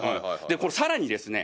これさらにですね